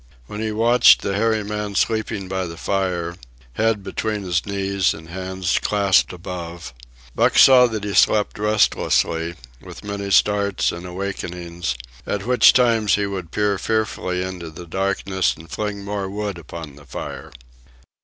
When he watched the hairy man sleeping by the fire, head between his knees and hands clasped above, Buck saw that he slept restlessly, with many starts and awakenings, at which times he would peer fearfully into the darkness and fling more wood upon the fire.